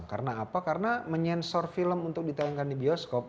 karena apa karena menyensor film untuk ditayangkan di bioskop